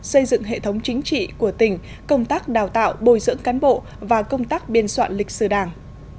xây dựng hệ thống chính trị của tỉnh công tác đào tạo bồi dưỡng cán bộ và công tác biên soạn lịch sử đảng